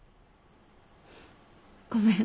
ごめん。